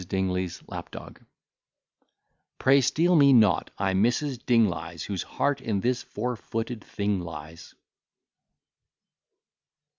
DINGLEY'S LAP DOG Pray steal me not; I'm Mrs. Dingley's, Whose heart in this four footed thing lies.